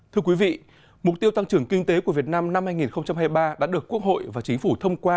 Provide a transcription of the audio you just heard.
thưa quý vị mục tiêu tăng trưởng kinh tế của việt nam năm hai nghìn hai mươi ba đã được quốc hội và chính phủ thông qua